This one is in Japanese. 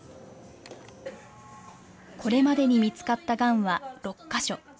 これまでに見つかったがんは６か所。